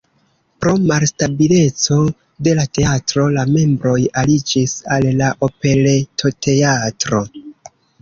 Pro malstabileco de la teatro la membroj aliĝis al la Operetoteatro.